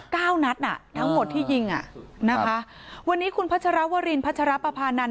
นัดอ่ะทั้งหมดที่ยิงอ่ะนะคะวันนี้คุณพัชรวรินพัชรปภานันท